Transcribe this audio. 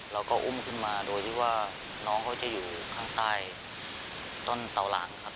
แล้วก็อุ้มขึ้นมาโดยที่ว่าน้องเขาจะอยู่ข้างใต้ต้นเตาหลังครับ